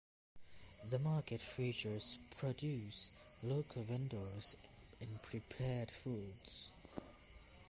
The market features produce, local vendors, and prepared foods.